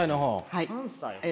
はい。